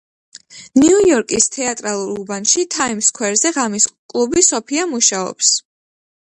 ნიუ-იორკის თეატრალურ უბანში თაიმს სქვერზე ღამის კლუბი “სოფია“ მუშაობს.